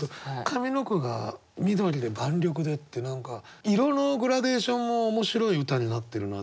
上の句が緑で万緑でって何か色のグラデーションも面白い歌になってるな。